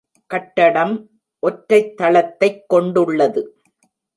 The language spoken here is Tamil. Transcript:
கட்டடம் ஒற்றைத் தளத்தைக் கொண்டுள்ளது.